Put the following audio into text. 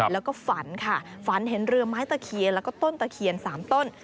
แล้วก็ฝันค่ะฝันเห็นเรือไม้ตะเคียนแล้วก็ต้นตะเคียน๓ต้น